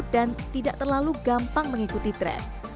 dan tidak terlalu gampang mengikuti trend